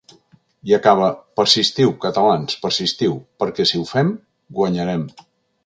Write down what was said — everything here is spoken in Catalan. I acaba: ‘Persistiu, catalans, persistiu, perquè si ho fem, guanyarem!’